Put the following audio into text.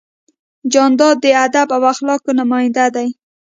جانداد د ادب او اخلاقو نماینده دی.